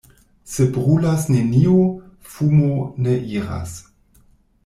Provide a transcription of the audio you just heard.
Se brulas nenio, fumo ne iras.